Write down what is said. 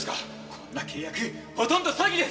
こんな契約ほとんど詐欺です！